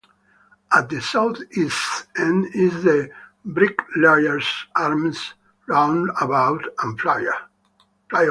At the southeast end is the Bricklayers' Arms roundabout and flyover.